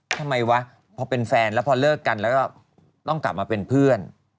ทำไมวะพอเป็นแฟนแล้วพอเลิกกันแล้วก็ต้องกลับมาเป็นเพื่อน